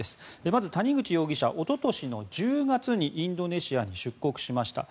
まず、谷口容疑者おととしの１０月にインドネシアに出国しました。